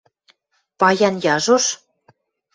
Паян яжош!